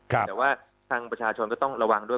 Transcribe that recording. แต่ว่าทางประชาชนก็ต้องระวังด้วย